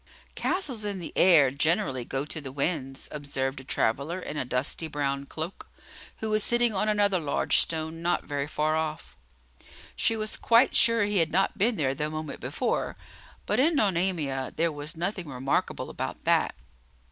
"Castles in the air generally go to the winds," observed a traveller in a dusty brown cloak, who was sitting on another large stone, not very far off. She was quite sure he had not been there the moment before, but, in Nonamia, there was nothing remarkable about that.